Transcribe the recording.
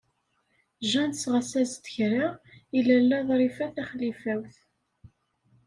Jane tesɣa-as-d kra i Lalla Ḍrifa Taxlifawt.